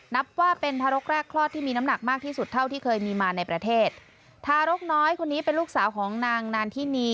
นับว่าเป็นทารกแรกคลอดที่มีน้ำหนักมากที่สุดเท่าที่เคยมีมาในประเทศทารกน้อยคนนี้เป็นลูกสาวของนางนานทินี